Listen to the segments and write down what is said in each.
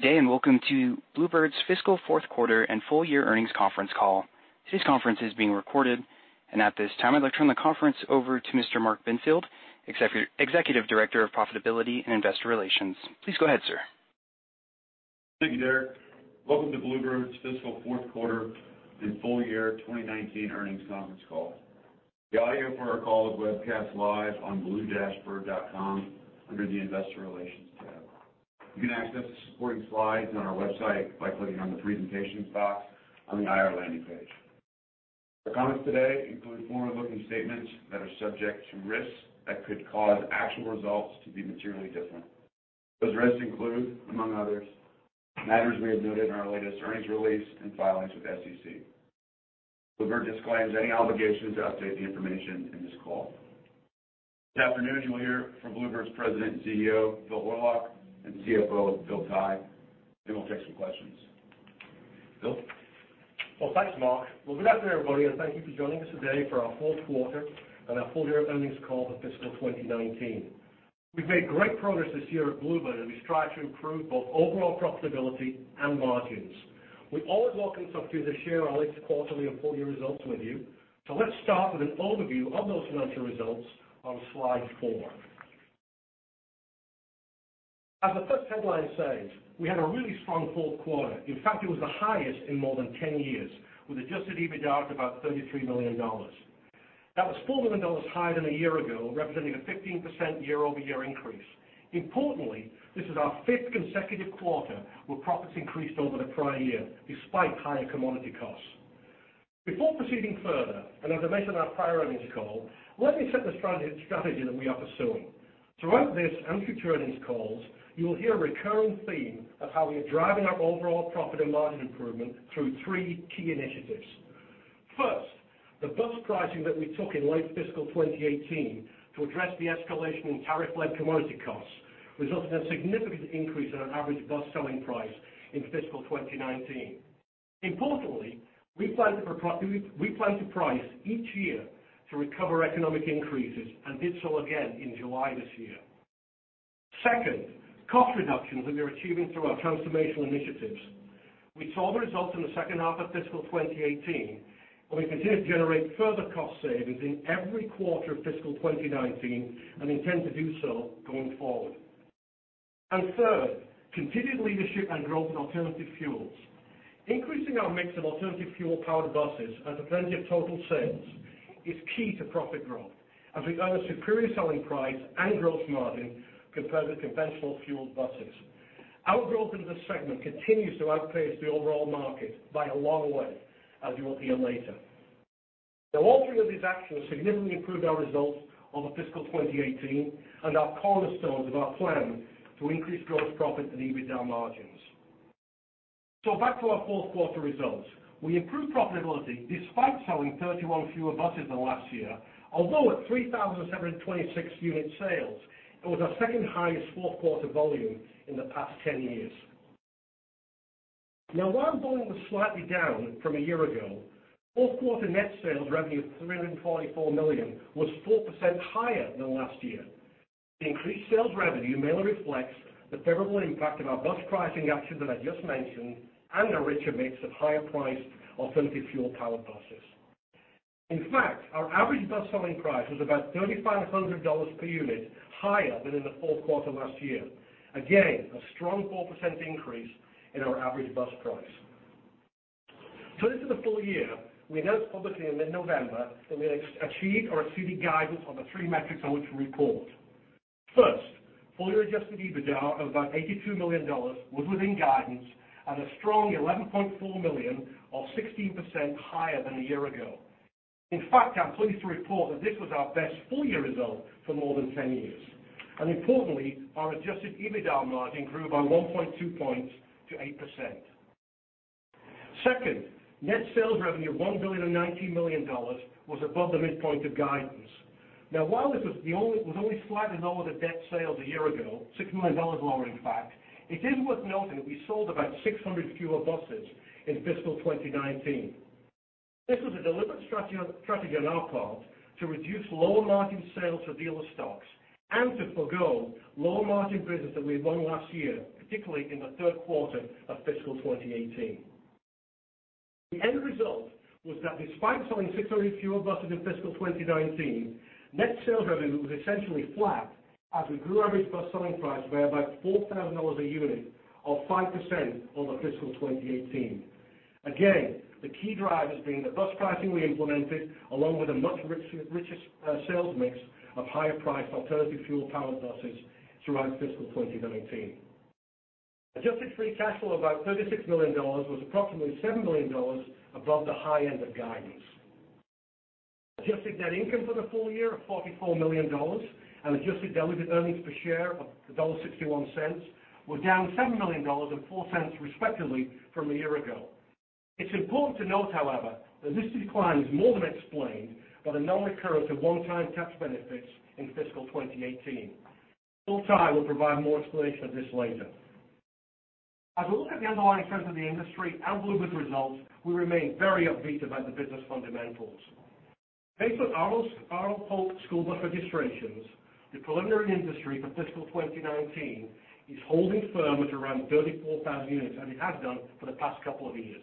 Good day, and welcome to Blue Bird's fiscal fourth quarter and full year earnings conference call. Today's conference is being recorded, and at this time I'd like to turn the conference over to Mr. Mark Benfield, Executive Director of Profitability and Investor Relations. Please go ahead, sir. Thank you, Derek. Welcome to Blue Bird's fiscal fourth quarter and full year 2019 earnings conference call. The audio for our call is webcast live on blue-bird.com under the Investor Relations tab. You can access the supporting slides on our website by clicking on the Presentations box on the IR landing page. Our comments today include forward-looking statements that are subject to risks that could cause actual results to be materially different. Those risks include, among others, matters we have noted in our latest earnings release and filings with the SEC. Blue Bird disclaims any obligation to update the information in this call. This afternoon, you will hear from Blue Bird's President and CEO, Phil Horlock, and CFO, Phil Horlock. We'll take some questions. Phil? Well, thanks Mark. Well, good afternoon, everybody, and thank you for joining us today for our fourth quarter and our full year earnings call for fiscal 2019. We've made great progress this year at Blue Bird as we strive to improve both overall profitability and margins. We always welcome the opportunity to share our latest quarterly and full year results with you, so let's start with an overview of those financial results on slide four. As the first headline says, we had a really strong fourth quarter. In fact, it was the highest in more than 10 years, with adjusted EBITDA of about $33 million. That was $4 million higher than a year ago, representing a 15% year-over-year increase. Importantly, this is our fifth consecutive quarter where profits increased over the prior year despite higher commodity costs. Before proceeding further, and as I mentioned on our prior earnings call, let me set the strategy that we are pursuing. Throughout this and future earnings calls, you will hear a recurring theme of how we are driving our overall profit and margin improvement through three key initiatives. First, the bus pricing that we took in late fiscal 2018 to address the escalation in tariff-led commodity costs resulted in a significant increase in our average bus selling price in fiscal 2019. Importantly, we plan to price each year to recover economic increases and did so again in July this year. Second, cost reductions that we are achieving through our transformational initiatives. We saw the results in the second half of fiscal 2018, and we continued to generate further cost savings in every quarter of fiscal 2019, and intend to do so going forward. Third, continued leadership and growth in alternative fuels. Increasing our mix of alternative fuel-powered buses as a % of total sales is key to profit growth as we earn a superior selling price and gross margin compared with conventional fueled buses. Our growth in this segment continues to outpace the overall market by a long way, as you will hear later. All three of these actions significantly improved our results on the fiscal 2018 and are cornerstones of our plan to increase gross profit and EBITDA margins. Back to our fourth quarter results. We improved profitability despite selling 31 fewer buses than last year, although at 3,726 unit sales, it was our second highest fourth quarter volume in the past 10 years. While volume was slightly down from a year ago, fourth quarter net sales revenue of $344 million was 4% higher than last year. The increased sales revenue mainly reflects the favorable impact of our bus pricing actions that I just mentioned and a richer mix of higher priced alternative fuel-powered buses. In fact, our average bus selling price was about $3,500 per unit higher than in the fourth quarter last year. Again, a strong 4% increase in our average bus price. Turning to the full year, we announced publicly in mid-November that we had achieved or exceeded guidance on the three metrics on which we report. First, full year adjusted EBITDA of about $82 million was within guidance at a strong $11.4 million or 16% higher than a year ago. In fact, I'm pleased to report that this was our best full year result for more than 10 years. Importantly, our adjusted EBITDA margin grew by 1.2 points to 8%. Second, net sales revenue of $1.019 billion was above the midpoint of guidance. While this was only slightly lower than net sales a year ago, $6 million lower, in fact, it is worth noting that we sold about 600 fewer buses in fiscal 2019. This was a deliberate strategy on our part to reduce lower margin sales to dealer stocks and to forgo lower margin business that we had won last year, particularly in the third quarter of fiscal 2018. The end result was that despite selling 600 fewer buses in fiscal 2019, net sales revenue was essentially flat as we grew average bus selling price by about $4,000 a unit or 5% over fiscal 2018. The key drivers being the bus pricing we implemented, along with a much richer sales mix of higher priced alternative fuel-powered buses throughout fiscal 2019. Adjusted free cash flow of about $36 million was approximately $7 million above the high end of guidance. Adjusted net income for the full year of $44 million and adjusted diluted earnings per share of $1.61 were down $7 million and $0.04 respectively from a year ago. It's important to note, however, that this decline is more than explained by the non-recurrence of one-time tax benefits in fiscal 2018. Phil Horlock will provide more explanation of this later. As we look at the underlying trends in the industry and Blue Bird's results, we remain very upbeat about the business fundamentals. Based on our school bus registrations, the preliminary industry for fiscal 2019 is holding firm at around 34,000 units, as it has done for the past couple of years.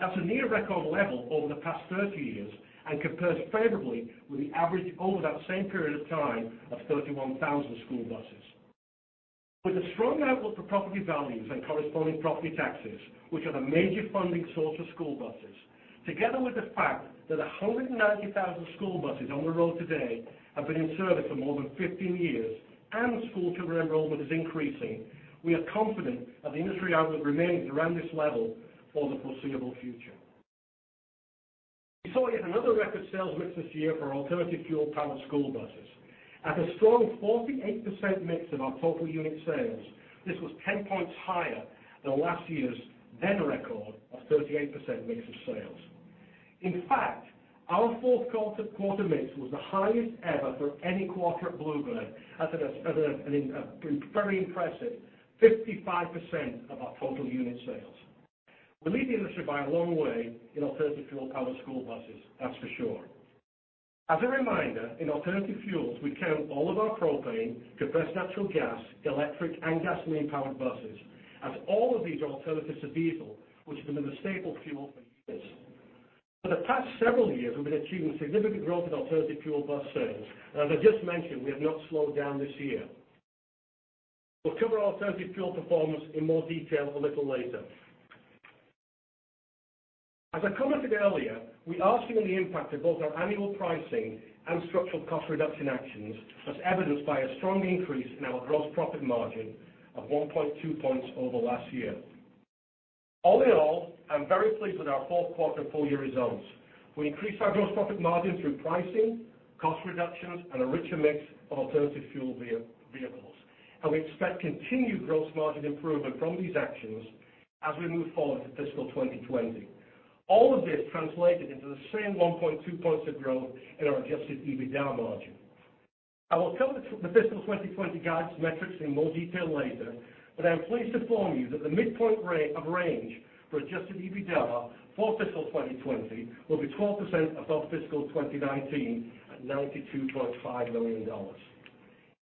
That's a near record level over the past 30 years and compares favorably with the average over that same period of time of 31,000 school buses. With a strong outlook for property values and corresponding property taxes, which are the major funding source for school buses, together with the fact that 190,000 school buses on the road today have been in service for more than 15 years, and school children enrollment is increasing, we are confident that the industry outlook remains around this level for the foreseeable future. We saw yet another record sales mix this year for alternative fuel-powered school buses. At a strong 48% mix of our total unit sales, this was 10 points higher than last year's, then record, of 38% mix of sales. In fact, our fourth quarter mix was the highest ever for any quarter at Blue Bird, at a very impressive 55% of our total unit sales. We lead the industry by a long way in alternative fuel-powered school buses, that's for sure. As a reminder, in alternative fuels, we count all of our propane, compressed natural gas, electric, and gasoline-powered buses, as all of these are alternatives to diesel, which has been the staple fuel for years. For the past several years, we've been achieving significant growth in alternative fuel bus sales, and as I just mentioned, we have not slowed down this year. We'll cover alternative fuel performance in more detail a little later. As I commented earlier, we are seeing the impact of both our annual pricing and structural cost-reduction actions, as evidenced by a strong increase in our gross profit margin of 1.2 points over last year. All in all, I'm very pleased with our fourth quarter full-year results. We increased our gross profit margin through pricing, cost reductions, and a richer mix of alternative fuel vehicles. We expect continued gross margin improvement from these actions as we move forward to fiscal 2020. All of this translated into the same 1.2 points of growth in our adjusted EBITDA margin. I will cover the fiscal 2020 guides metrics in more detail later. I am pleased to inform you that the midpoint of range for adjusted EBITDA for fiscal 2020 will be 12% above fiscal 2019 at $92.5 million.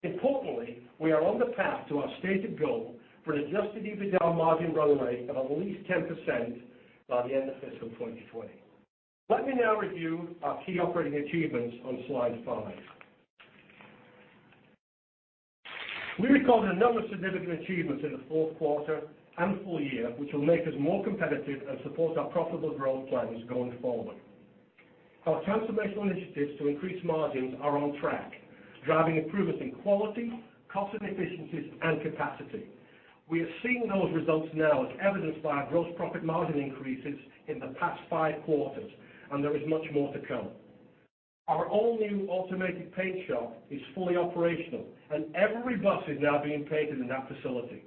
Importantly, we are on the path to our stated goal for an adjusted EBITDA margin run rate of at least 10% by the end of fiscal 2020. Let me now review our key operating achievements on slide five. We recorded another significant achievement in the fourth quarter and full year, which will make us more competitive and support our profitable growth plans going forward. Our transformational initiatives to increase margins are on track, driving improvements in quality, cost and efficiencies, and capacity. We are seeing those results now, as evidenced by our gross profit margin increases in the past five quarters, and there is much more to come. Our all-new automated paint shop is fully operational, and every bus is now being painted in that facility.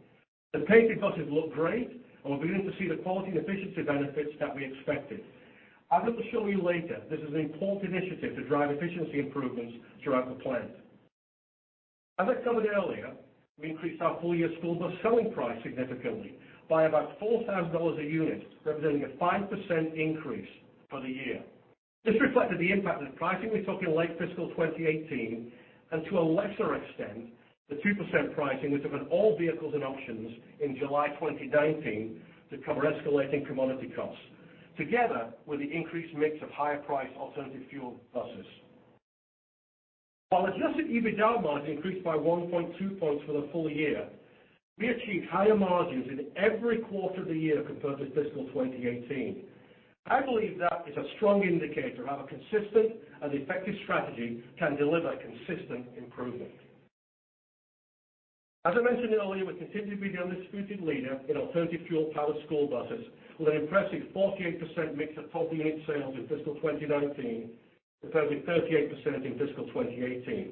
The painted buses look great, and we're beginning to see the quality and efficiency benefits that we expected. I'm going to show you later this is an important initiative to drive efficiency improvements throughout the plant. As I commented earlier, we increased our full-year school bus selling price significantly, by about $4,000 a unit, representing a 5% increase for the year. This reflected the impact of the pricing we took in late fiscal 2018, and to a lesser extent, the 2% pricing, which covered all vehicles and options in July 2019 to cover escalating commodity costs, together with the increased mix of higher-priced alternative fuel buses. While adjusted EBITDA margin increased by 1.2 points for the full year, we achieved higher margins in every quarter of the year compared to fiscal 2018. I believe that is a strong indicator of how a consistent and effective strategy can deliver consistent improvement. As I mentioned earlier, we continue to be the undisputed leader in alternative fuel powered school buses with an impressive 48% mix of total unit sales in fiscal 2019, compared to 38% in fiscal 2018.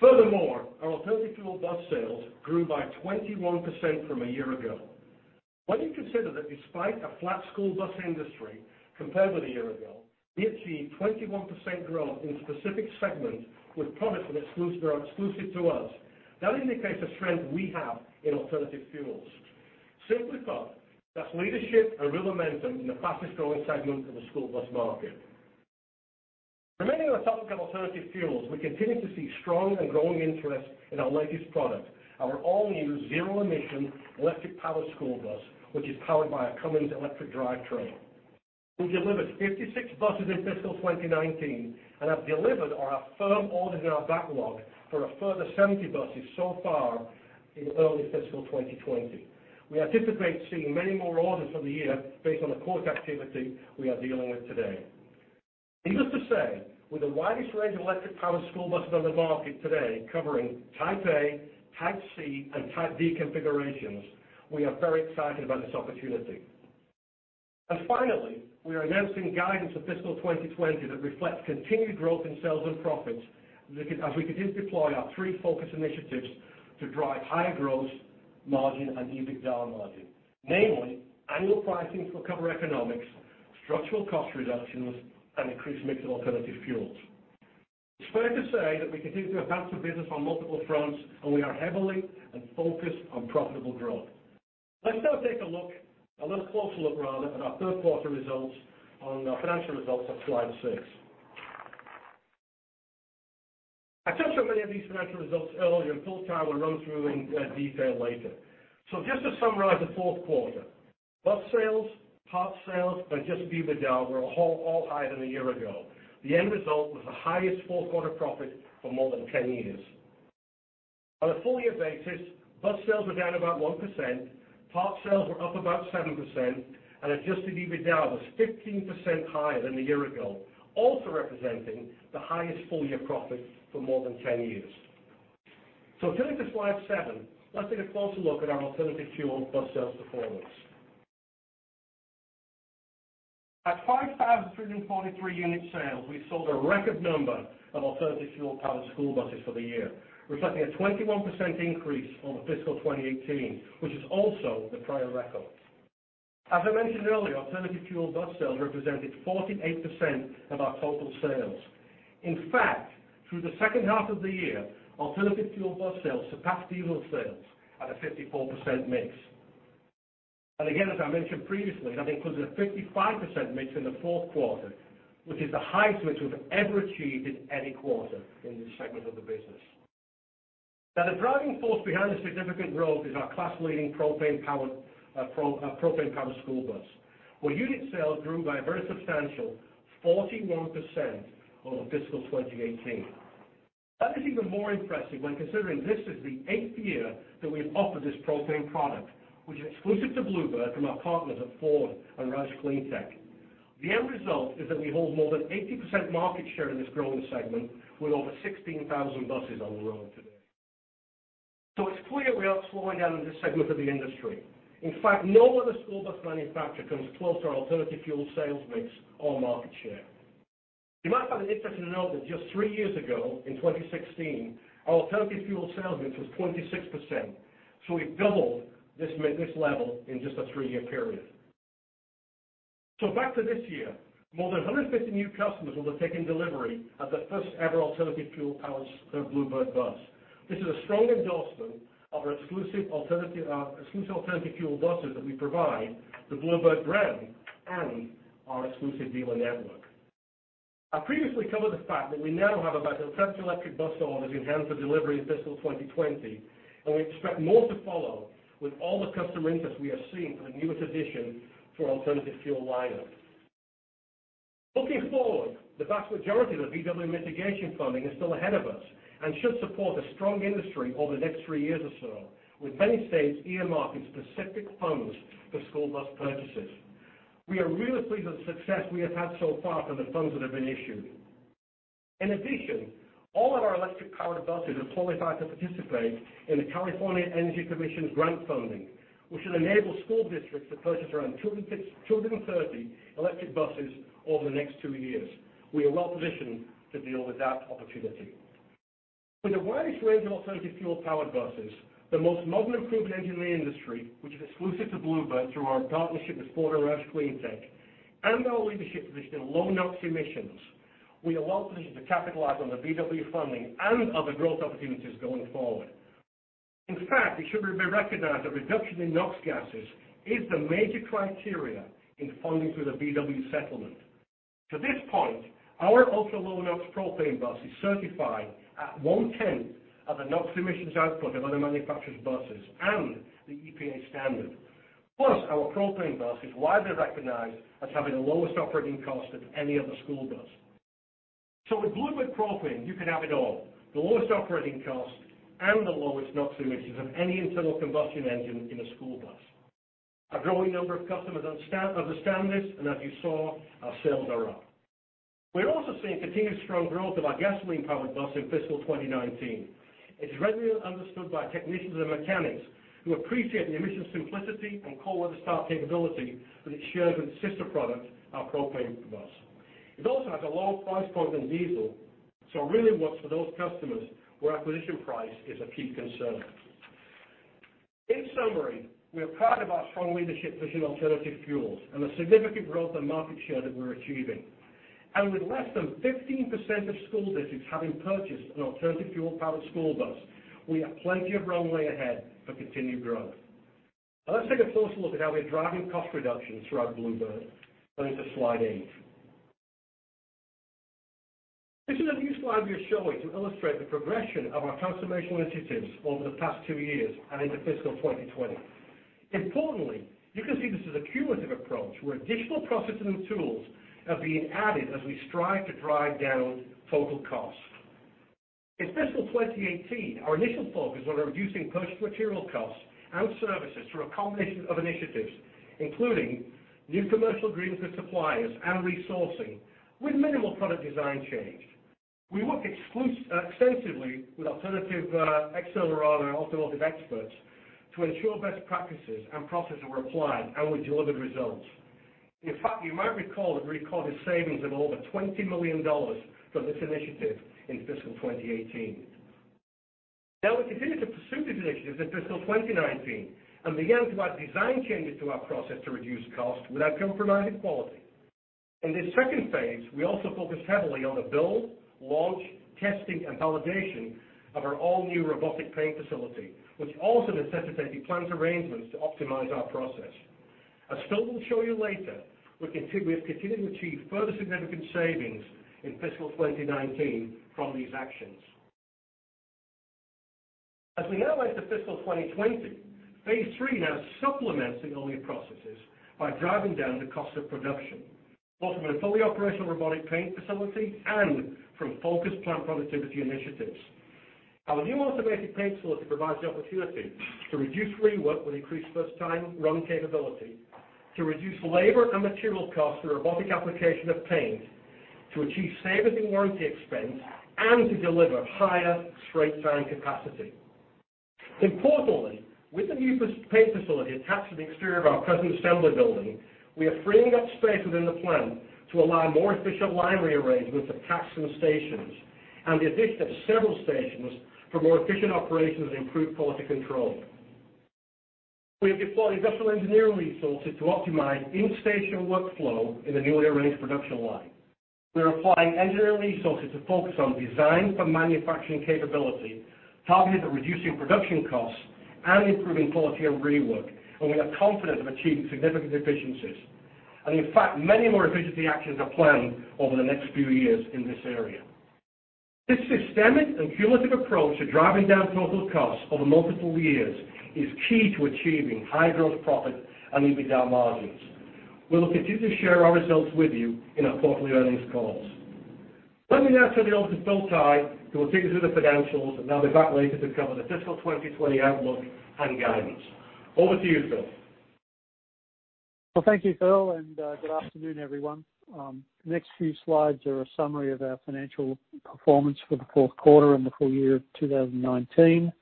Furthermore, our alternative fuel bus sales grew by 21% from a year ago. When you consider that despite a flat school bus industry compared with a year ago, we achieved 21% growth in specific segments with products that are exclusive to us. That indicates a strength we have in alternative fuels. Simply put, that's leadership and real momentum in the fastest growing segment of the school bus market. Remaining on the topic of alternative fuels, we continue to see strong and growing interest in our latest product, our all-new, zero-emission electric powered school bus, which is powered by a Cummins electric drivetrain. We delivered 56 buses in fiscal 2019 and have delivered on our firm orders in our backlog for a further 70 buses so far in early fiscal 2020. We anticipate seeing many more orders for the year based on the quote activity we are dealing with today. Needless to say, with the widest range of electric powered school buses on the market today covering Type A, Type C, and Type D configurations, we are very excited about this opportunity. Finally, we are announcing guidance for fiscal 2020 that reflects continued growth in sales and profits as we continue to deploy our three focus initiatives to drive higher growth, margin, and EBITDA margin. Namely, annual pricing to recover economics, structural cost reductions, and increased mix of alternative fuels. It's fair to say that we continue to advance the business on multiple fronts, and we are heavily focused on profitable growth. Let's now take a little closer look, rather, at our third quarter results on the financial results on slide six. I touched on many of these financial results earlier. Phil and I will run through in detail later. Just to summarize the fourth quarter, bus sales, parts sales, and adjusted EBITDA were all higher than a year ago. The end result was the highest fourth-quarter profit for more than 10 years. On a full-year basis, bus sales were down about 1%, parts sales were up about 7%, and adjusted EBITDA was 15% higher than a year ago, also representing the highest full-year profit for more than 10 years. Turning to slide seven, let's take a closer look at our alternative fuel bus sales performance. At 5,343 unit sales, we sold a record number of alternative fuel-powered school buses for the year, reflecting a 21% increase over fiscal 2018, which is also the prior record. As I mentioned earlier, alternative fuel bus sales represented 48% of our total sales. In fact, through the second half of the year, alternative fuel bus sales surpassed diesel sales at a 54% mix. Again, as I mentioned previously, that includes a 55% mix in the fourth quarter, which is the highest which we've ever achieved in any quarter in this segment of the business. Now, the driving force behind the significant growth is our class-leading propane-powered school bus, where unit sales grew by a very substantial 41% over fiscal 2018. That is even more impressive when considering this is the eighth year that we've offered this propane product, which is exclusive to Blue Bird from our partners at Ford and ROUSH CleanTech. The end result is that we hold more than 80% market share in this growing segment, with over 16,000 buses on the road today. It's clear we are slowing down in this segment of the industry. In fact, no other school bus manufacturer comes close to our alternative fuel sales mix or market share. You might find it interesting to know that just three years ago, in 2016, our alternative fuel sales mix was 26%, so we've doubled this level in just a three-year period. Back to this year, more than 150 new customers will be taking delivery of their first ever alternative fuel-powered Blue Bird bus. This is a strong endorsement of our exclusive alternative fuel buses that we provide, the Blue Bird brand, and our exclusive dealer network. I previously covered the fact that we now have about 10 electric bus orders in hand for delivery in fiscal 2020, and we expect more to follow with all the customer interest we are seeing for the newest addition to our alternative fuel lineup. Looking forward, the vast majority of the VW mitigation funding is still ahead of us and should support a strong industry over the next three years or so, with many states earmarking specific funds for school bus purchases. We are really pleased with the success we have had so far for the funds that have been issued. In addition, all of our electric-powered buses are qualified to participate in the California Energy Commission's grant funding, which should enable school districts to purchase around 230 electric buses over the next two years. We are well-positioned to deal with that opportunity. With the widest range of alternative fuel-powered buses, the most modern improvement engine in the industry, which is exclusive to Blue Bird through our partnership with Ford and ROUSH CleanTech, and our leadership position in low NOx emissions, we are well positioned to capitalize on the VW funding and other growth opportunities going forward. In fact, it should be recognized that reduction in NOx gases is the major criteria in funding through the VW settlement. To this point, our ultra-low NOx propane bus is certified at one tenth of the NOx emissions output of other manufacturers' buses and the EPA standard. Plus, our propane bus is widely recognized as having the lowest operating cost of any other school bus. With Blue Bird propane, you can have it all, the lowest operating cost and the lowest NOx emissions of any internal combustion engine in a school bus. A growing number of customers understand this, and as you saw, our sales are up. We're also seeing continued strong growth of our gasoline-powered bus in fiscal 2019. It's readily understood by technicians and mechanics who appreciate the emissions simplicity and cold weather start capability that it shares with its sister product, our propane bus. It also has a lower price point than diesel, so it really works for those customers where acquisition price is a key concern. In summary, we are proud of our strong leadership position in alternative fuels and the significant growth and market share that we're achieving. With less than 15% of school districts having purchased an alternative fuel-powered school bus, we have plenty of runway ahead for continued growth. Now let's take a closer look at how we're driving cost reductions throughout Blue Bird, going to slide eight. This is a new slide we are showing to illustrate the progression of our transformation initiatives over the past two years and into fiscal 2020. Importantly, you can see this is a cumulative approach where additional processes and tools are being added as we strive to drive down total costs. In fiscal 2018, our initial focus was on reducing purchased material costs and services through a combination of initiatives, including new commercial agreements with suppliers and resourcing, with minimal product design change. We worked extensively with alternative Alvarez & Marsal and automotive experts to ensure best practices and processes were applied, and we delivered results. In fact, you might recall that we recorded savings of over $20 million from this initiative in fiscal 2018. We continue to pursue these initiatives in fiscal 2019 and began to add design changes to our process to reduce costs without compromising quality. In this second phase, we also focused heavily on the build, launch, testing, and validation of our all-new robotic paint facility, which also necessitated plant arrangements to optimize our process. As Phil will show you later, we have continued to achieve further significant savings in fiscal 2019 from these actions. As we now enter fiscal 2020, phase 3 now supplements the earlier processes by driving down the cost of production, both from a fully operational robotic paint facility and from focused plant productivity initiatives. Our new automated paint facility provides the opportunity to reduce rework with increased first-time run capability, to reduce labor and material costs through robotic application of paint, to achieve savings in warranty expense, and to deliver higher straight-time capacity. Importantly, with the new paint facility attached to the exterior of our present assembly building, we are freeing up space within the plant to allow more efficient line rearrangements of taxing stations and the addition of several stations for more efficient operations and improved quality control. We have deployed industrial engineering resources to optimize in-station workflow in the newly arranged production line. We are applying engineering resources to focus on design for manufacturing capability, targeted at reducing production costs and improving quality and rework, and we are confident of achieving significant efficiencies. In fact, many more efficiency actions are planned over the next few years in this area. This systemic and cumulative approach to driving down total costs over multiple years is key to achieving high gross profit and EBITDA margins. We'll continue to share our results with you in our quarterly earnings calls. Let me now turn it over to Phil Horlock, who will take us through the financials, and I'll be back later to cover the fiscal 2020 outlook and guidance. Over to you, Phil. Well, thank you, Phil. Good afternoon, everyone. The next few slides are a summary of our financial performance for the fourth quarter and the full year of 2019.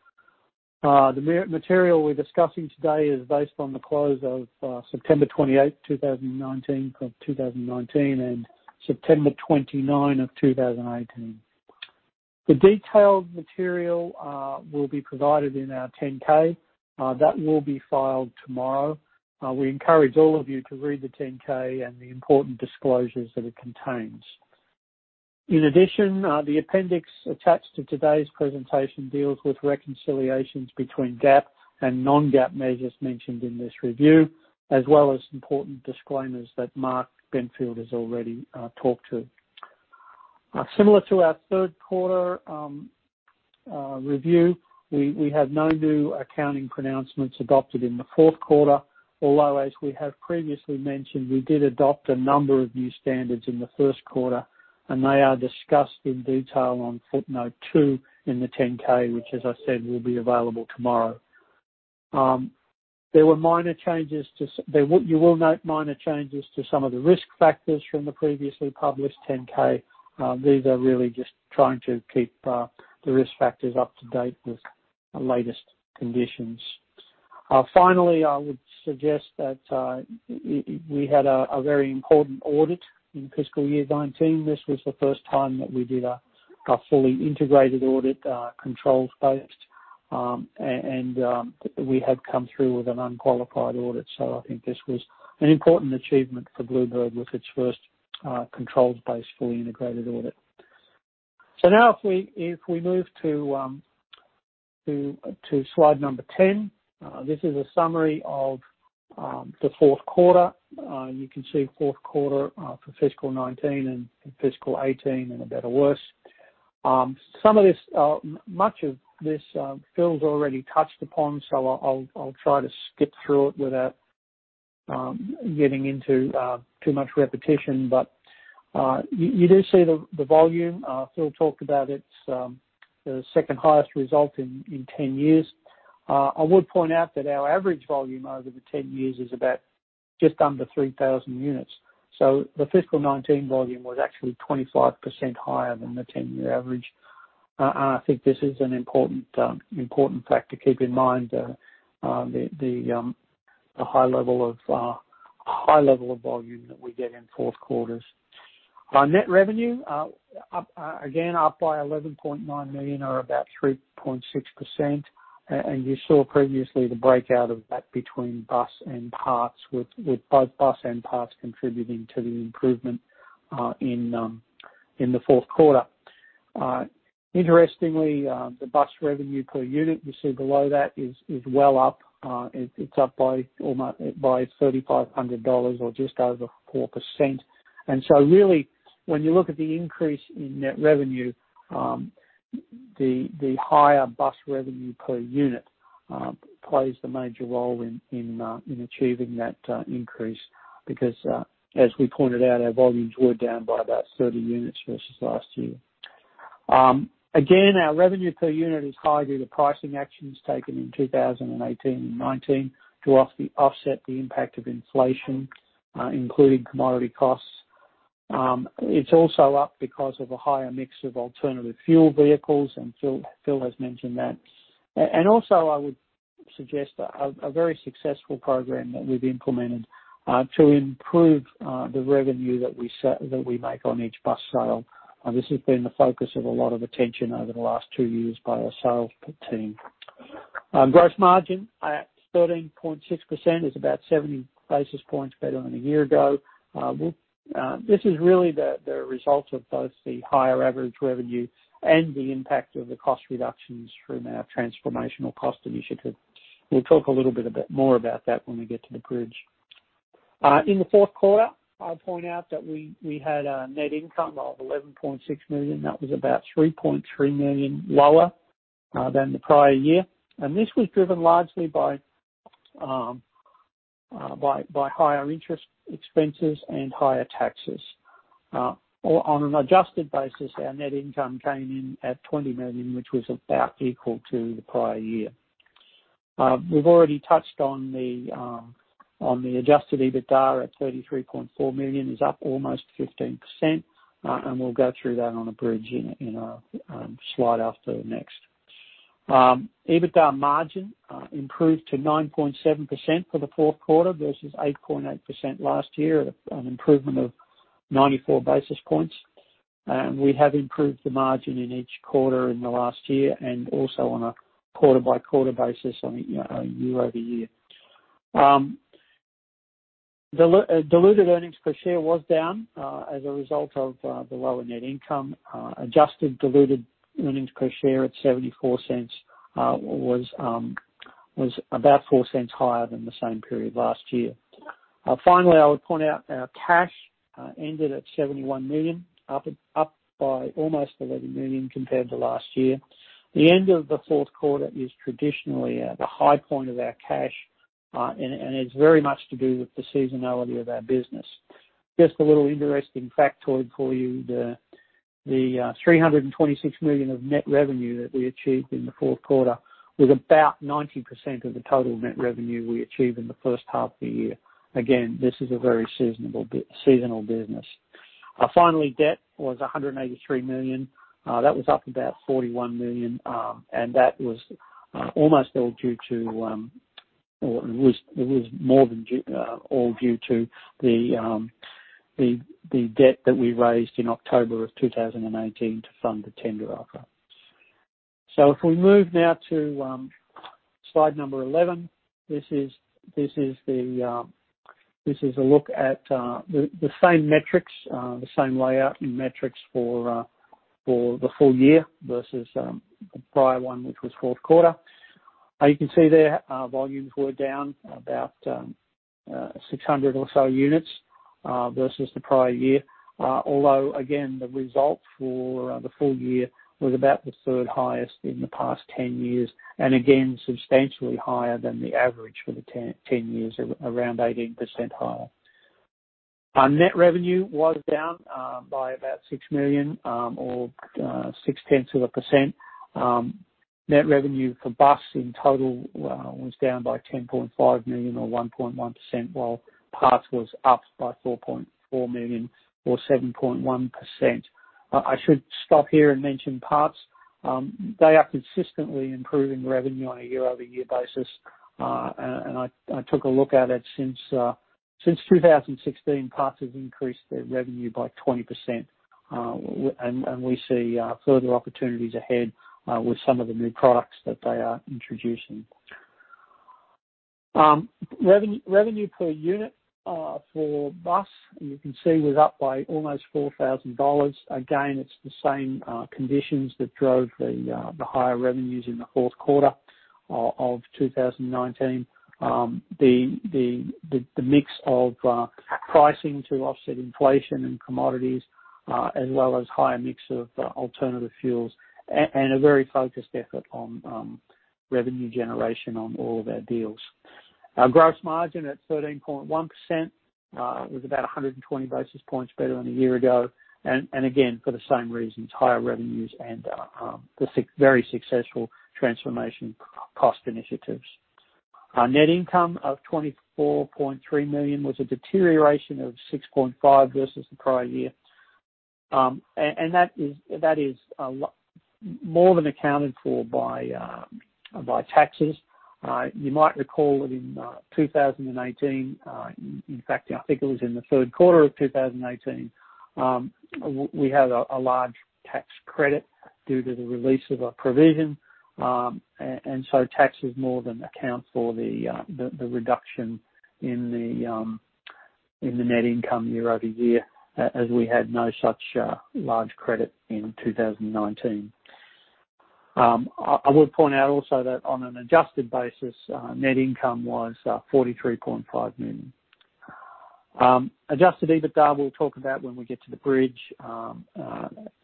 The material we're discussing today is based on the close of September 28, 2019, and September 29, 2018. The detailed material will be provided in our 10-K. That will be filed tomorrow. We encourage all of you to read the 10-K and the important disclosures that it contains. In addition, the appendix attached to today's presentation deals with reconciliations between GAAP and non-GAAP measures mentioned in this review, as well as important disclaimers that Mark Benfield has already talked to. Similar to our third quarter review, we have no new accounting pronouncements adopted in the fourth quarter, although, as we have previously mentioned, we did adopt a number of new standards in the first quarter. They are discussed in detail on footnote two in the 10-K, which, as I said, will be available tomorrow. You will note minor changes to some of the risk factors from the previously published 10-K. These are really just trying to keep the risk factors up to date with the latest conditions. Finally, I would suggest that we had a very important audit in fiscal year 2019. This was the first time that we did a fully integrated audit, controls-based. We have come through with an unqualified audit. I think this was an important achievement for Blue Bird with its first controls-based, fully integrated audit. Now if we move to slide number 10, this is a summary of the fourth quarter. You can see fourth quarter for fiscal 2019 and fiscal 2018 in a better worse. Much of this Phil's already touched upon, so I'll try to skip through it without getting into too much repetition. You do see the volume. Phil talked about it's the second-highest result in 10 years. I would point out that our average volume over the 10 years is about just under 3,000 units. The fiscal 2019 volume was actually 25% higher than the 10-year average. I think this is an important fact to keep in mind, the high level of volume that we get in fourth quarters. Our net revenue, again, up by $11.9 million or about 3.6%, and you saw previously the breakout of that between bus and parts, with both bus and parts contributing to the improvement in the fourth quarter. Interestingly, the bus revenue per unit you see below that is well up. It's up by almost $3,500 or just over 4%. Really, when you look at the increase in net revenue, the higher bus revenue per unit plays the major role in achieving that increase because, as we pointed out, our volumes were down by about 30 units versus last year. Again, our revenue per unit is high due to pricing actions taken in 2018 and 2019 to offset the impact of inflation, including commodity costs. It's also up because of a higher mix of alternative fuel vehicles, and Phil has mentioned that. Also, I would suggest a very successful program that we've implemented, to improve the revenue that we make on each bus sale. This has been the focus of a lot of attention over the last two years by our sales team. Gross margin at 13.6% is about 70 basis points better than a year ago. This is really the result of both the higher average revenue and the impact of the cost reductions from our transformational cost initiative. We'll talk a little bit more about that when we get to the bridge. In the fourth quarter, I'll point out that we had a net income of $11.6 million. That was about $3.3 million lower than the prior year. This was driven largely by higher interest expenses and higher taxes. On an adjusted basis, our net income came in at $20 million, which was about equal to the prior year. We've already touched on the adjusted EBITDA at $33.4 million, is up almost 15%, we'll go through that on a bridge in a slide after the next. EBITDA margin improved to 9.7% for the fourth quarter versus 8.8% last year at an improvement of 94 basis points. We have improved the margin in each quarter in the last year and also on a quarter-by-quarter basis on a year-over-year. Diluted earnings per share was down, as a result of the lower net income. Adjusted diluted earnings per share at $0.74, was about $0.04 higher than the same period last year. Finally, I would point out our cash, ended at $71 million, up by almost $11 million compared to last year. The end of the fourth quarter is traditionally the high point of our cash, and it's very much to do with the seasonality of our business. Just a little interesting factoid for you, the $326 million of net revenue that we achieved in the fourth quarter was about 90% of the total net revenue we achieved in the first half of the year. Again, this is a very seasonal business. Finally, debt was $183 million. That was up about $41 million, and that was more than all due to the debt that we raised in October of 2018 to fund the tender offer. If we move now to slide number 11, this is a look at the same metrics, the same layout and metrics for the full year versus the prior one, which was fourth quarter. You can see there, volumes were down about 600 or so units, versus the prior year. Although, again, the results for the full year was about the third highest in the past 10 years, and again, substantially higher than the average for the 10 years, around 18% higher. Our net revenue was down by about $6 million, or 0.6%. Net revenue for bus in total was down by $10.5 million or 1.1%, while parts was up by $4.4 million or 7.1%. I should stop here and mention parts. They are consistently improving revenue on a year-over-year basis. I took a look at it since 2016, parts have increased their revenue by 20%, and we see further opportunities ahead with some of the new products that they are introducing. Revenue per unit for bus, and you can see, was up by almost $4,000. Again, it's the same conditions that drove the higher revenues in the fourth quarter of 2019. The mix of pricing to offset inflation and commodities, as well as higher mix of alternative fuels and a very focused effort on revenue generation on all of our deals. Our gross margin at 13.1%, was about 120 basis points better than a year ago. Again, for the same reasons, higher revenues and the very successful transformation cost initiatives. Our net income of $24.3 million was a deterioration of $6.5 million versus the prior year. That is more than accounted for by taxes. You might recall that in 2018, in fact, I think it was in the third quarter of 2018, we had a large tax credit due to the release of a provision. So tax was more than account for the reduction in the net income year-over-year, as we had no such large credit in 2019. I would point out also that on an adjusted basis, net income was $43.5 million. Adjusted EBITDA, we will talk about when we get to the bridge, but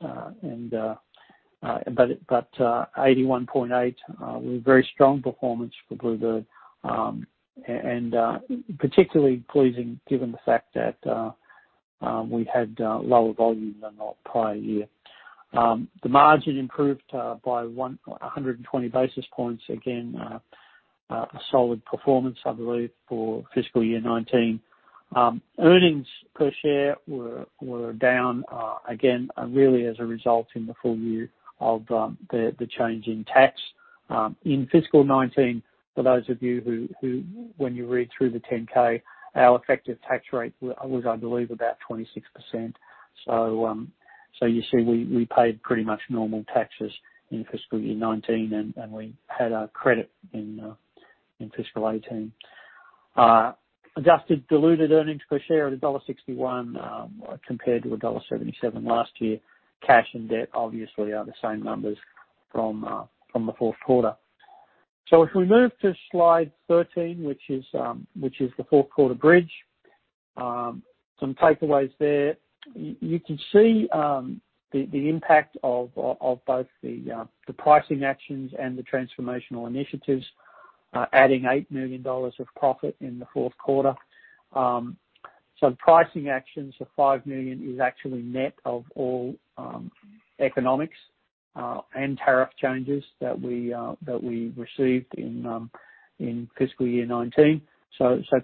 $81.8, was a very strong performance for Blue Bird, and particularly pleasing given the fact that we had lower volume than the prior year. The margin improved by 120 basis points. Again, a solid performance, I believe, for fiscal year 2019. Earnings per share were down again, really as a result in the full year of the change in tax. In fiscal 2019, for those of you who, when you read through the 10-K, our effective tax rate was, I believe, about 26%. You see we paid pretty much normal taxes in fiscal year 2019, and we had a credit in fiscal 2018. Adjusted diluted earnings per share of $1.61 compared to $1.77 last year. Cash and debt obviously are the same numbers from the fourth quarter. If we move to slide 13, which is the fourth quarter bridge. Some takeaways there. You can see the impact of both the pricing actions and the transformational initiatives adding $8 million of profit in the fourth quarter. Pricing actions of $5 million is actually net of all economics and tariff changes that we received in fiscal year 2019.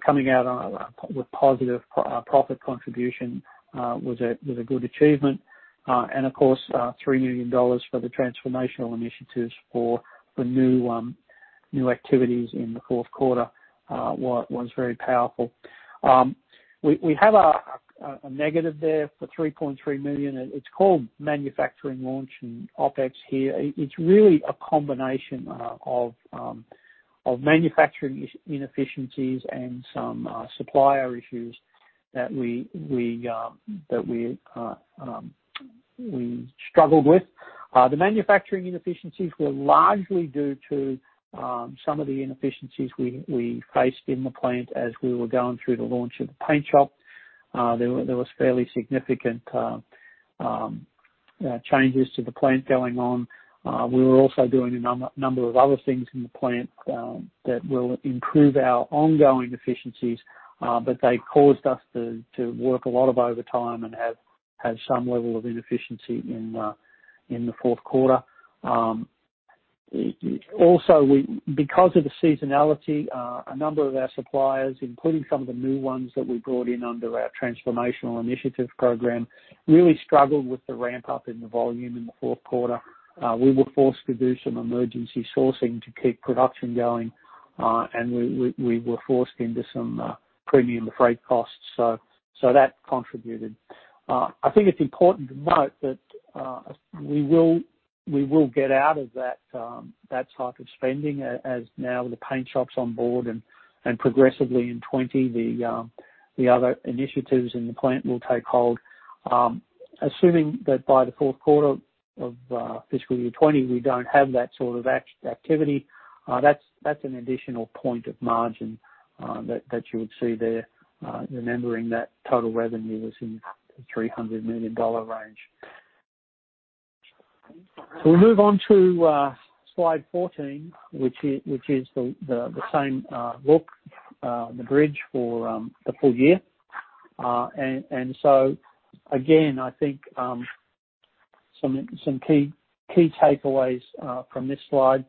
Coming out with positive profit contribution was a good achievement. Of course, $3 million for the transformational initiatives for the new activities in the fourth quarter was very powerful. We have a negative there for $3.3 million. It's called manufacturing launch and OpEx here. It's really a combination of manufacturing inefficiencies and some supplier issues that we struggled with. The manufacturing inefficiencies were largely due to some of the inefficiencies we faced in the plant as we were going through the launch of the paint shop. There was fairly significant changes to the plant going on. We were also doing a number of other things in the plant that will improve our ongoing efficiencies, but they caused us to work a lot of overtime and have some level of inefficiency in the fourth quarter. Because of the seasonality, a number of our suppliers, including some of the new ones that we brought in under our Transformational Initiatives Program, really struggled with the ramp-up in the volume in the fourth quarter. We were forced to do some emergency sourcing to keep production going, and we were forced into some premium freight costs. That contributed. I think it's important to note that we will get out of that type of spending as now the paint shop's on board and progressively in 2020, the other initiatives in the plant will take hold. Assuming that by the fourth quarter of fiscal year 2020, we don't have that sort of activity, that's an additional point of margin that you would see there, remembering that total revenue was in the $300 million range. We'll move on to slide 14, which is the same look, the bridge for the full year. Again, I think some key takeaways from this slide.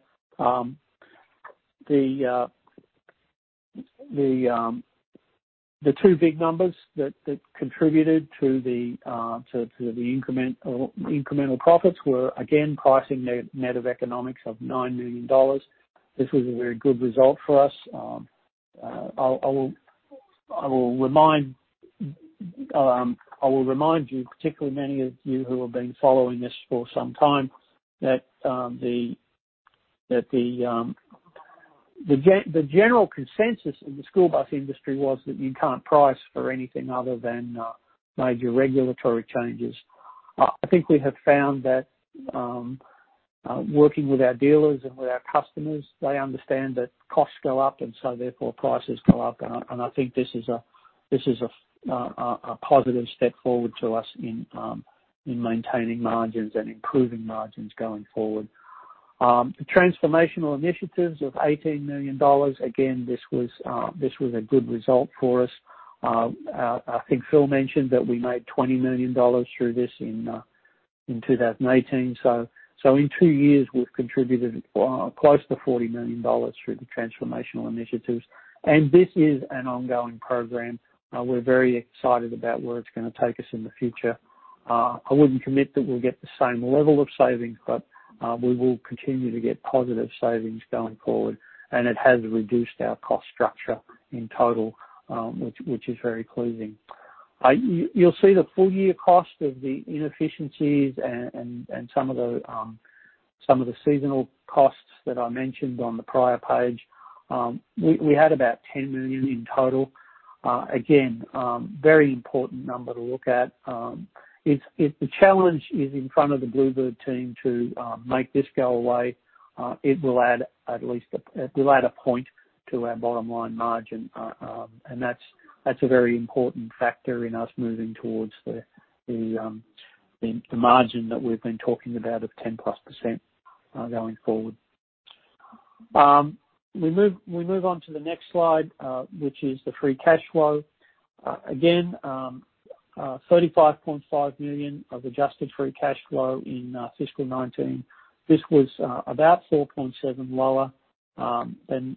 The two big numbers that contributed to the incremental profits were again, pricing net of economics of $9 million. This was a very good result for us. I will remind you, particularly many of you who have been following this for some time, that the general consensus in the school bus industry was that you can't price for anything other than major regulatory changes. I think we have found that working with our dealers and with our customers, they understand that costs go up, therefore prices go up. I think this is a positive step forward to us in maintaining margins and improving margins going forward. The transformational initiatives of $18 million, again, this was a good result for us. I think Phil mentioned that we made $20 million through this in 2018. In two years, we've contributed close to $40 million through the transformational initiatives. This is an ongoing program. We're very excited about where it's going to take us in the future. I wouldn't commit that we'll get the same level of savings, but we will continue to get positive savings going forward. It has reduced our cost structure in total, which is very pleasing. You'll see the full-year cost of the inefficiencies and some of the seasonal costs that I mentioned on the prior page. We had about $10 million in total. Again, very important number to look at. If the challenge is in front of the Blue Bird team to make this go away, it will add a point to our bottom line margin, and that's a very important factor in us moving towards the margin that we've been talking about of 10+% going forward. We move on to the next slide, which is the free cash flow. Again, $35.5 million of adjusted free cash flow in fiscal 2019. This was about 4.7 lower than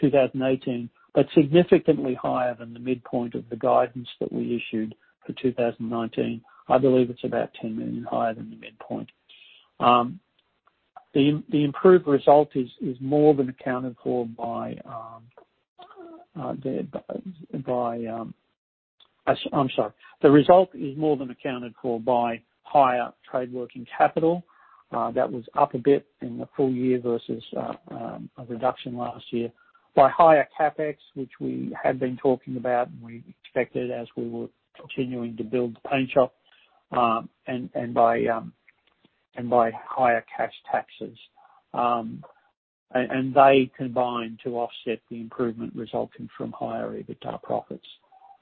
2018, significantly higher than the midpoint of the guidance that we issued for 2019. I believe it's about $10 million higher than the midpoint. The result is more than accounted for by higher trade working capital. That was up a bit in the full year versus a reduction last year. By higher CapEx, which we had been talking about, and we expected as we were continuing to build the paint shop, and by higher cash taxes. They combined to offset the improvement resulting from higher EBITDA profits.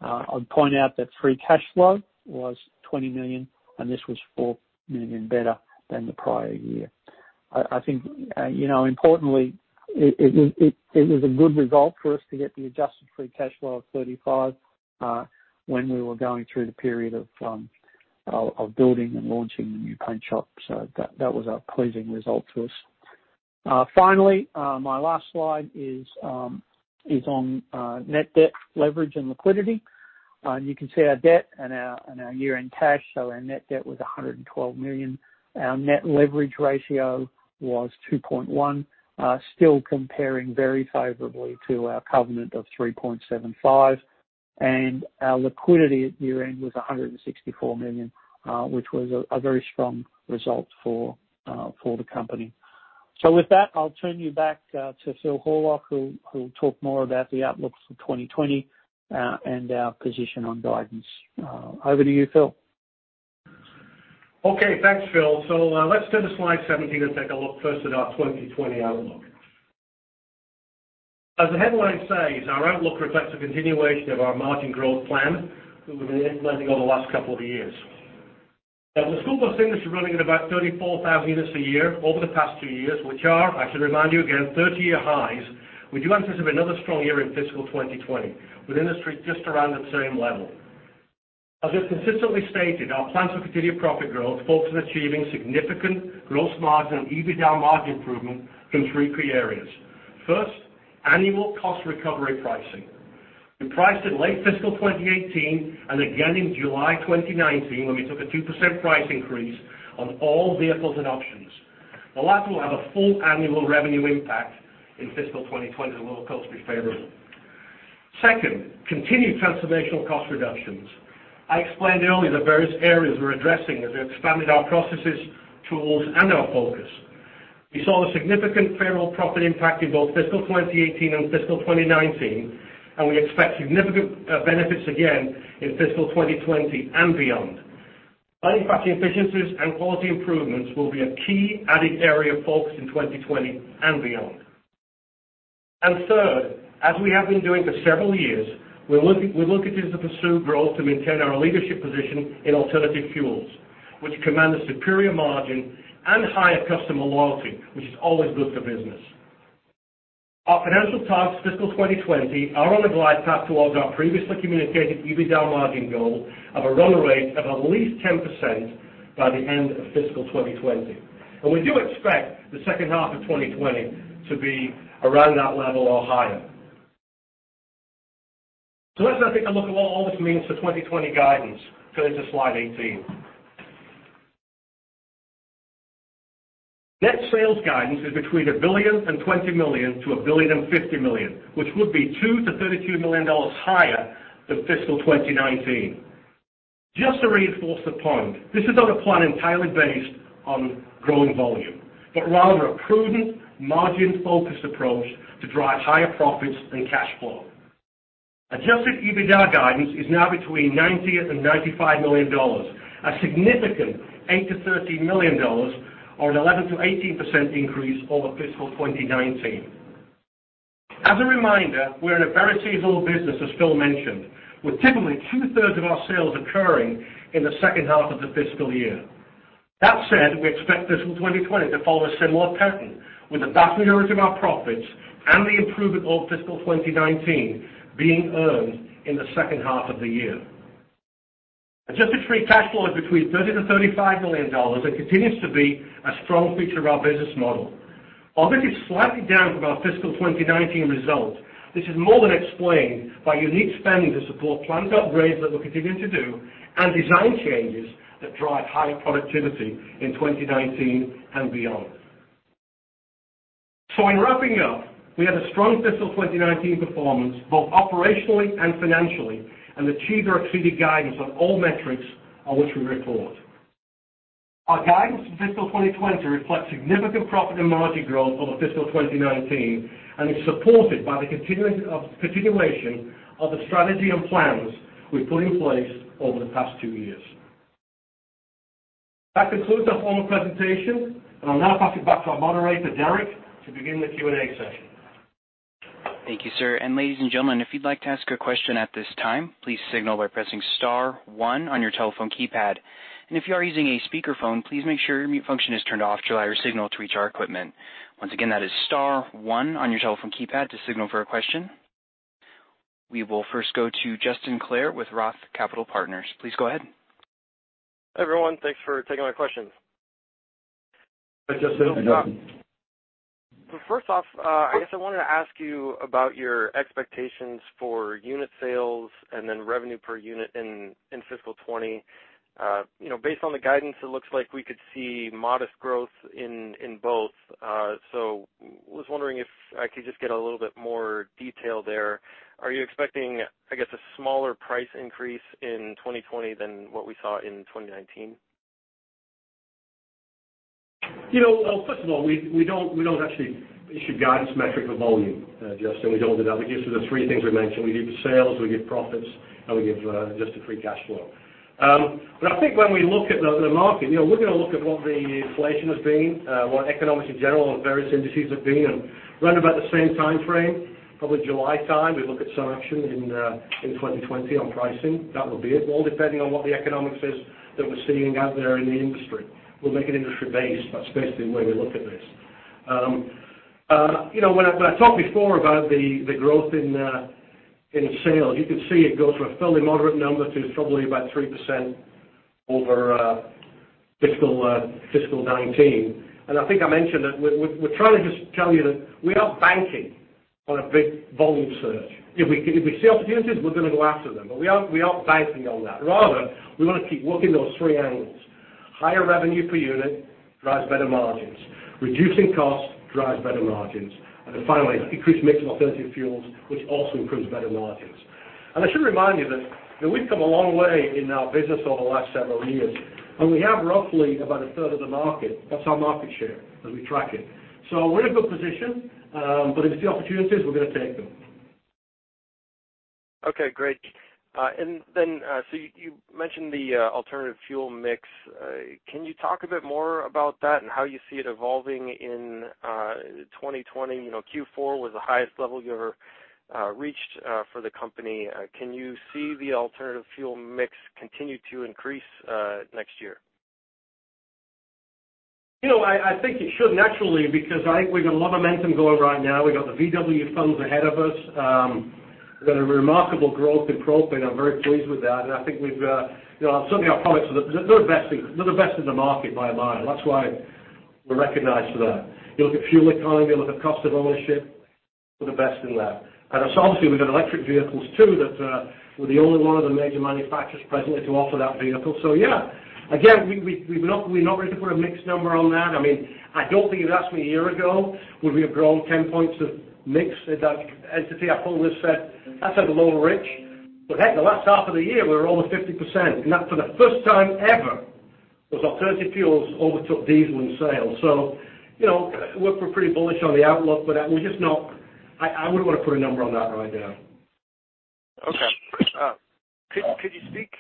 I'd point out that free cash flow was $20 million, and this was $4 million better than the prior year. It is a good result for us to get the adjusted free cash flow of $35, when we were going through the period of building and launching the new paint shop. That was a pleasing result to us. My last slide is on net debt leverage and liquidity. You can see our debt and our year-end cash, our net debt was $112 million. Our net leverage ratio was 2.1, still comparing very favorably to our covenant of 3.75. Our liquidity at year-end was $164 million, which was a very strong result for the company. With that, I'll turn you back to Phil Horlock, who'll talk more about the outlook for 2020, and our position on guidance. Over to you, Phil. Okay. Thanks, Phil. Let's turn to slide 17 and take a look first at our 2020 outlook. As the headline says, our outlook reflects a continuation of our margin growth plan that we've been implementing over the last couple of years. Now, the school bus industry running at about 34,000 units a year over the past two years, which are, I should remind you again, 30-year highs. We do anticipate another strong year in fiscal 2020, with industry just around that same level. As we've consistently stated, our plans for continued profit growth focus on achieving significant gross margin and EBITDA margin improvement from three key areas. First, annual cost recovery pricing. We priced in late fiscal 2018 and again in July 2019 when we took a 2% price increase on all vehicles and options. The latter will have a full annual revenue impact in fiscal 2020 that will of course be favorable. Second, continued transformational cost reductions. I explained earlier the various areas we're addressing as we expanded our processes, tools, and our focus. We saw a significant favorable profit impact in both fiscal 2018 and fiscal 2019, and we expect significant benefits again in fiscal 2020 and beyond. Manufacturing efficiencies and quality improvements will be a key added area of focus in 2020 and beyond. Third, as we have been doing for several years, we're looking to pursue growth to maintain our leadership position in alternative fuels, which command a superior margin and higher customer loyalty, which is always good for business. Our financial targets fiscal 2020 are on a glide path towards our previously communicated EBITDA margin goal of a run rate of at least 10% by the end of fiscal 2020. We do expect the second half of 2020 to be around that level or higher. Let's now take a look at what all this means for 2020 guidance. Turn to slide 18. Net sales guidance is between $1.02 billion to $1.05 billion, which would be $2 million to $32 million higher than fiscal 2019. Just to reinforce the point, this is not a plan entirely based on growing volume, but rather a prudent margin-focused approach to drive higher profits and cash flow. adjusted EBITDA guidance is now between $90 million and $95 million, a significant $8 million to $13 million, or an 11% to 18% increase over fiscal 2019. As a reminder, we're in a very seasonal business, as Phil mentioned, with typically two-thirds of our sales occurring in the second half of the fiscal year. That said, we expect fiscal 2020 to follow a similar pattern, with the vast majority of our profits and the improvement over fiscal 2019 being earned in the second half of the year. Adjusted free cash flow is between $30 million-$35 million and continues to be a strong feature of our business model. Although it is slightly down from our fiscal 2019 result, this is more than explained by unique spending to support planned upgrades that we're continuing to do and design changes that drive higher productivity in 2019 and beyond. In wrapping up, we had a strong fiscal 2019 performance, both operationally and financially, and achieved or exceeded guidance on all metrics on which we report. Our guidance for fiscal 2020 reflects significant profit and margin growth over fiscal 2019 and is supported by the continuation of the strategy and plans we've put in place over the past two years. That concludes our formal presentation, and I'll now pass it back to our moderator, Derek, to begin the Q&A session. Thank you, sir. Ladies and gentlemen, if you'd like to ask a question at this time, please signal by pressing star one on your telephone keypad. If you are using a speakerphone, please make sure your mute function is turned off to allow your signal to reach our equipment. Once again, that is star one on your telephone keypad to signal for a question. We will first go to Justin Clare with Roth Capital Partners. Please go ahead. Hi, everyone. Thanks for taking my questions. Hi, Justin. First off, I guess I wanted to ask you about your expectations for unit sales and then revenue per unit in fiscal 2020. Based on the guidance, it looks like we could see modest growth in both. I was wondering if I could just get a little bit more detail there. Are you expecting, I guess, a smaller price increase in 2020 than what we saw in 2019? First of all, we don't actually issue guidance metric for volume, Justin. We don't do that. We give you the three things we mentioned. We give sales, we give profits, and we give adjusted free cash flow. I think when we look at the market, we're going to look at what the inflation has been, what economics in general and various indices have been. Round about the same time frame, probably July time, we look at some action in 2020 on pricing. That will be it. All depending on what the economics is that we're seeing out there in the industry. We'll make it industry-based. That's basically the way we look at this. When I talked before about the growth in sales, you can see it goes from a fairly moderate number to probably about 3% over FY 2019. I think I mentioned that we're trying to just tell you that we're not banking on a big volume surge. If we see opportunities, we're going to go after them. We aren't banking on that. Rather, we want to keep working those three angles. Higher revenue per unit drives better margins. Reducing costs drives better margins. Finally, increased mix of alternative fuels, which also improves better margins. I should remind you that we've come a long way in our business over the last several years, and we have roughly about 1/3 of the market. That's our market share as we track it. We're in a good position. If we see opportunities, we're going to take them. Okay, great. You mentioned the alternative fuel mix. Can you talk a bit more about that and how you see it evolving in 2020? Q4 was the highest level you ever reached for the company. Can you see the alternative fuel mix continue to increase next year? I think it should naturally because I think we've got a lot of momentum going right now. We've got the VW funds ahead of us. We've got a remarkable growth in propane. I'm very pleased with that. I think certainly our products are the best in the market by a mile. That's why we're recognized for that. You look at fuel economy, you look at cost of ownership, we're the best in that. Obviously we've got electric vehicles too. We're the only one of the major manufacturers presently to offer that vehicle. Yeah. Again, we're not ready to put a mixed number on that. I don't think if you'd asked me a year ago, would we have grown 10 points of mix at that entity? I probably would've said that's a little rich. Heck, the last half of the year, we were over 50%. That for the first time ever, those alternative fuels overtook diesel in sales. We're pretty bullish on the outlook for that, and I wouldn't want to put a number on that right now. Could you speak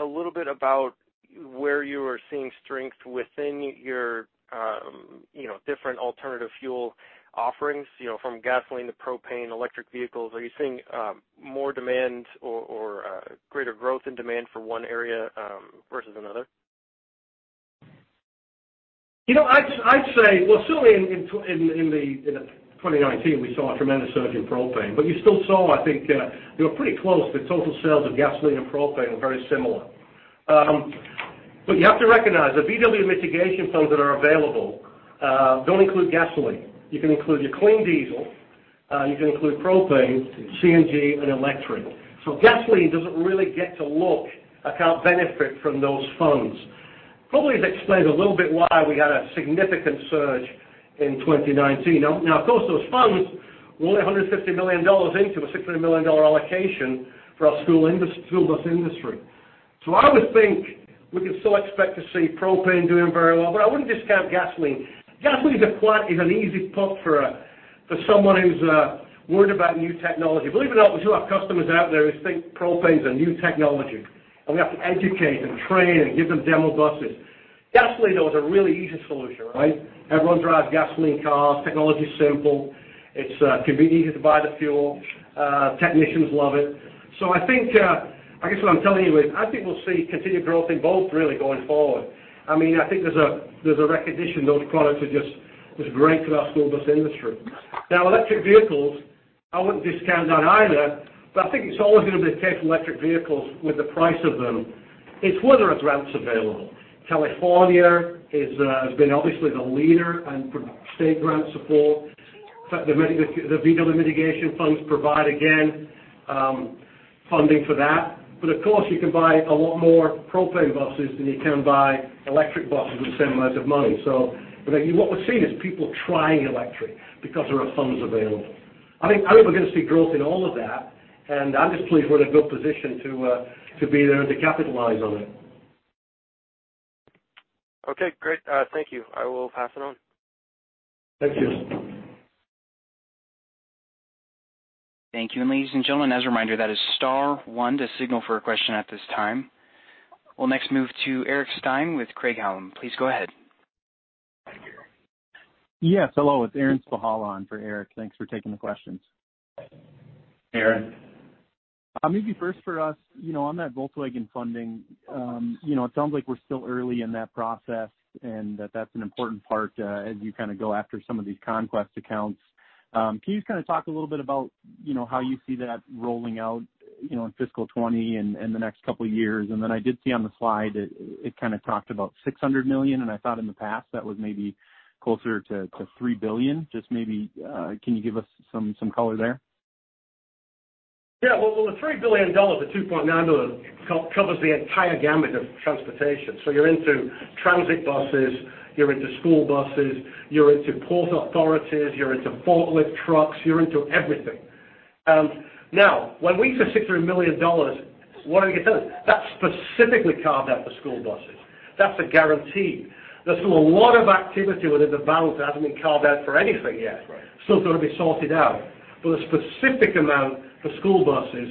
a little bit about where you are seeing strength within your different alternative fuel offerings, from gasoline to propane, electric vehicles? Are you seeing more demand or greater growth in demand for one area versus another? I'd say, well, certainly in 2019, we saw a tremendous surge in propane. You still saw, I think, they were pretty close. The total sales of gasoline and propane were very similar. You have to recognize, the VW mitigation funds that are available don't include gasoline. You can include your clean diesel, you can include propane, CNG, and electric. Gasoline doesn't really get to look account benefit from those funds. Probably has explained a little bit why we had a significant surge in 2019. Of course, those funds, we're only $150 million into a $600 million allocation for our school bus industry. I would think we could still expect to see propane doing very well. I wouldn't discount gasoline. Gasoline is an easy pop for someone who's worried about new technology. Believe it or not, we do have customers out there who think propane's a new technology, and we have to educate and train and give them demo buses. Gasoline, though, is a really easy solution, right? Everyone drives gasoline cars. Technology's simple. It could be easy to buy the fuel. Technicians love it. I guess what I'm telling you is I think we'll see continued growth in both really going forward. I think there's a recognition those products are just great for our school bus industry. electric vehicles, I wouldn't discount that either, but I think it's always going to be a case with electric vehicles with the price of them. It's whether there's routes available. California has been obviously the leader in state grant support. In fact, the Volkswagen Environmental Mitigation Trust provide, again, funding for that. Of course, you can buy a lot more propane buses than you can buy electric buses with the same amount of money. What we're seeing is people trying electric because there are funds available. I think we're going to see growth in all of that, and I'm just pleased we're in a good position to be there to capitalize on it. Okay, great. Thank you. I will pass it on. Thank you. Thank you. Ladies and gentlemen, as a reminder, that is star 1 to signal for a question at this time. We'll next move to Eric Stine with Craig-Hallum. Please go ahead. Yes. Hello. It's Aaron Spychalla for Eric. Thanks for taking the questions. Aaron. Maybe first for us, on that Volkswagen funding, it sounds like we're still early in that process and that's an important part as you go after some of these conquest accounts. Can you just talk a little bit about how you see that rolling out in fiscal 2020 and the next couple of years? I did see on the slide it talked about $600 million, and I thought in the past that was maybe closer to $3 billion. Just maybe, can you give us some color there? Yeah. Well, the $3 billion, the $2.9 billion covers the entire gamut of transportation. You're into transit buses, you're into school buses, you're into port authorities, you're into forklift trucks, you're into everything. When we say $600 million, what I can tell you is that's specifically carved out for school buses. That's a guarantee. There's still a lot of activity within the balance that hasn't been carved out for anything yet. Right. Still got to be sorted out. The specific amount for school buses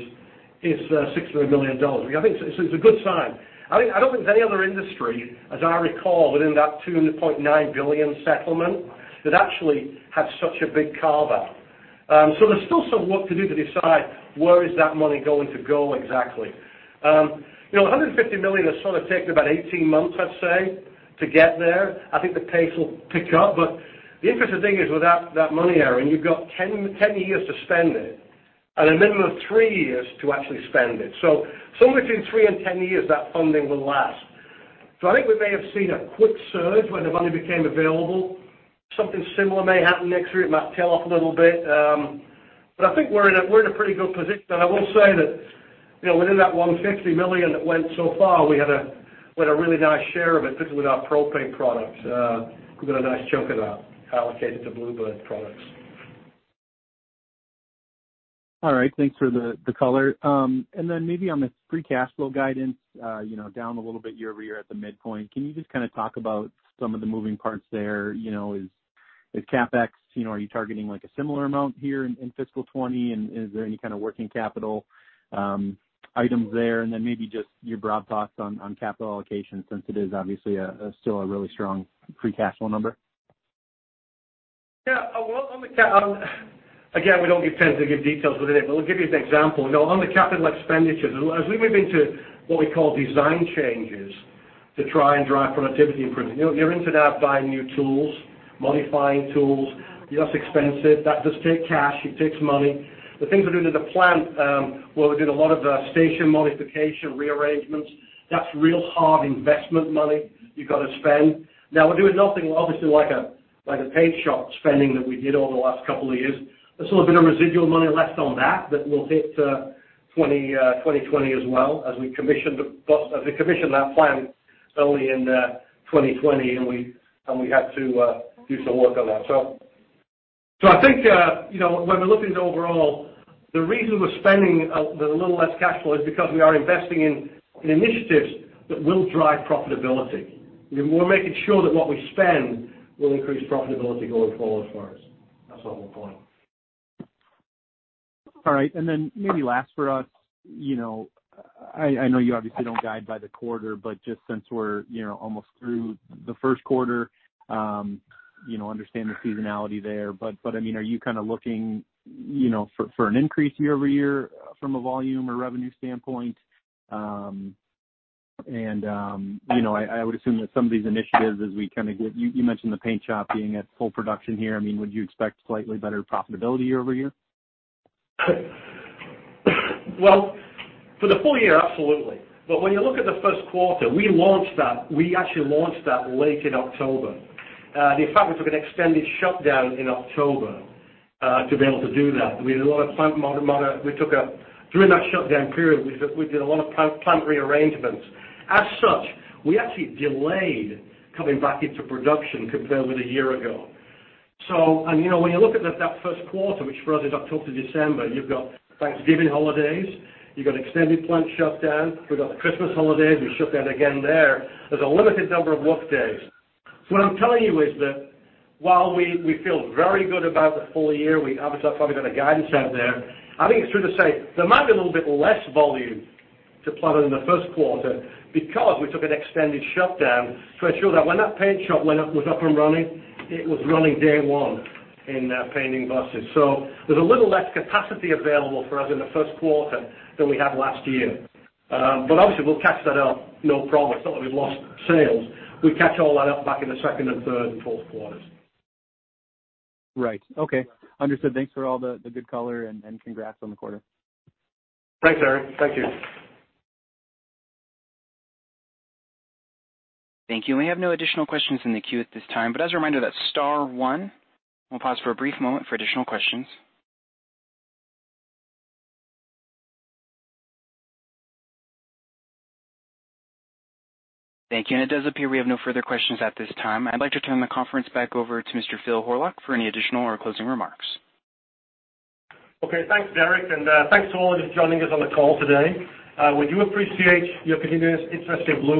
is $600 million. I think it's a good sign. I don't think there's any other industry, as I recall, within that $2.9 billion Volkswagen emissions settlement that actually had such a big carve-out. There's still some work to do to decide where is that money going to go exactly. $150 million has taken about 18 months, I'd say, to get there. I think the pace will pick up. The interesting thing is, with that money, Aaron, you've got 10 years to spend it and a minimum of three years to actually spend it. Somewhere between three and 10 years, that funding will last. I think we may have seen a quick surge when the money became available. Something similar may happen next year. It might tail off a little bit. I think we're in a pretty good position. I will say that within that $150 million that went so far, we had a really nice share of it, particularly with our propane products. We've got a nice chunk of that allocated to Blue Bird products. All right. Thanks for the color. Then maybe on the free cash flow guidance, down a little bit year-over-year at the midpoint. Can you just talk about some of the moving parts there? Is CapEx, are you targeting a similar amount here in fiscal 2020? Is there any kind of working capital items there? Then maybe just your broad thoughts on capital allocation, since it is obviously still a really strong free cash flow number. We don't intend to give details within it, but I'll give you an example. On the capital expenditures, as we move into what we call design changes to try and drive productivity improvements, you're into now buying new tools, modifying tools. That's expensive. That does take cash. It takes money. The things we're doing to the plant, where we did a lot of station modification rearrangements, that's real hard investment money you've got to spend. We're doing nothing, obviously, like a paint shop spending that we did over the last couple of years. There's still a bit of residual money left on that will hit 2020 as well, as we commission that plant early in 2020 and we had to do some work on that. I think when we're looking at overall, the reason we're spending a little less cash flow is because we are investing in initiatives that will drive profitability. We're making sure that what we spend will increase profitability going forward for us. That's the whole point. All right. Then maybe last for us, I know you obviously don't guide by the quarter, but just since we're almost through the first quarter, understand the seasonality there. Are you looking for an increase year-over-year from a volume or revenue standpoint? I would assume that some of these initiatives. You mentioned the paint shop being at full production here. Would you expect slightly better profitability year-over-year? Well, for the full year, absolutely. When you look at the first quarter, we actually launched that late in October. In fact, we took an extended shutdown in October to be able to do that. During that shutdown period, we did a lot of plant rearrangements. As such, we actually delayed coming back into production compared with a year ago. When you look at that first quarter, which for us is October to December, you've got Thanksgiving holidays, you've got extended plant shutdown, we've got the Christmas holidays, we shut down again there. There's a limited number of work days. What I'm telling you is that while we feel very good about the full year, obviously that's why we got a guidance out there, I think it's true to say there might be a little bit less volume to plow than the first quarter because we took an extended shutdown to ensure that when that paint shop was up and running, it was running day one in painting buses. There's a little less capacity available for us in the first quarter than we had last year. Obviously, we'll catch that up, no problem. It's not like we've lost sales. We catch all that up back in the second and third and fourth quarters. Right. Okay. Understood. Thanks for all the good color. Congrats on the quarter. Thanks, Aaron. Thank you. Thank you. We have no additional questions in the queue at this time, but as a reminder, that's star one. We'll pause for a brief moment for additional questions. Thank you. It does appear we have no further questions at this time. I'd like to turn the conference back over to Mr. Phil Horlock for any additional or closing remarks. Okay. Thanks, Derek. Thanks to all of you for joining us on the call today. We do appreciate your continuous interest in Blue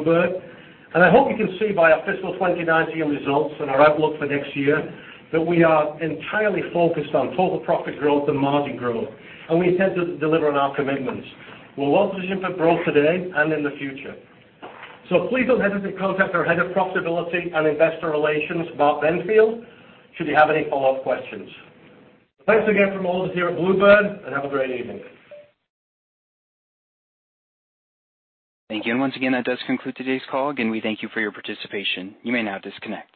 Bird. I hope you can see by our fiscal 2019 results and our outlook for next year that we are entirely focused on total profit growth and margin growth, and we intend to deliver on our commitments. We're well positioned for growth today and in the future. Please don't hesitate to contact our Head of Profitability and Investor Relations, Mark Benfield, should you have any follow-up questions. Thanks again from all of us here at Blue Bird, and have a great evening. Thank you. Once again, that does conclude today's call. Again, we thank you for your participation. You may now disconnect.